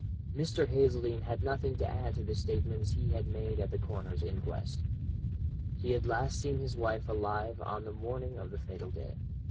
"Mr. Hazeldene had nothing to add to the statements he had made at the coroner's inquest. He had last seen his wife alive on the morning of the fatal day.